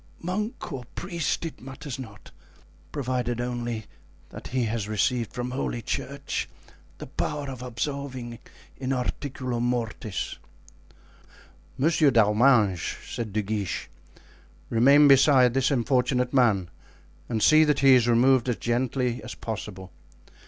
Monk or priest, it matters not, provided only that he has received from holy church the power of absolving in articulo mortis." "Monsieur d'Arminges," said De Guiche, "remain beside this unfortunate man and see that he is removed as gently as possible.